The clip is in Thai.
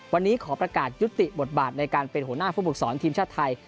วันนี้ขอประกาศยุติบทบาทในการเป็นหัวหน้าผู้ฝึกสอนทีมชาติไทย